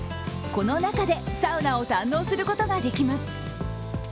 この中でサウナを堪能することができます。